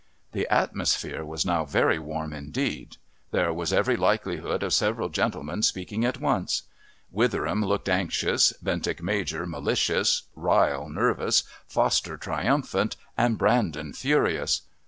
The atmosphere was now very warm indeed. There was every likelihood of several gentlemen speaking at once. Witheram looked anxious, Bentinck Major malicious, Ryle nervous, Foster triumphant, and Brandon furious.